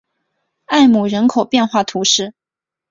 埃姆人口变化图示